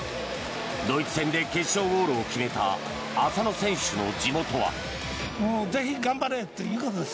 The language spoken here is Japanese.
ドイツ戦で決勝ゴールを決めた浅野選手の地元は。